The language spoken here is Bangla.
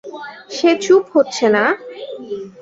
সে চুপ হচ্ছে না।